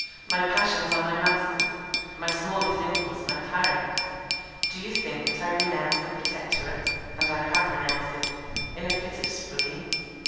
My passions are my masters; my smallest impulse my tyrant. Do you think that I renounced the Protectorate (and I have renounced it) in a fit of spleen?